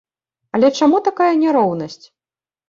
Але чаму такая няроўнасць?